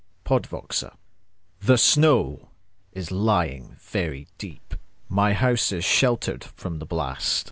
Convention THE SNOW is lying very deep.My house is sheltered from the blast.